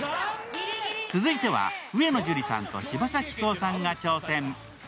続いては上野樹里さんと柴咲コウさんが挑戦。